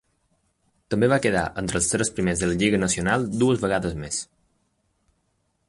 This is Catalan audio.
També va quedar entre els tres primers de la Lliga Nacional dues vegades més.